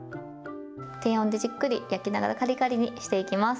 低温でじっくり焼きながら、かりかりにしていきます。